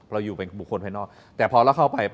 เราอยู่เป็นบุคคลภายนอกแต่พอเราเข้าไป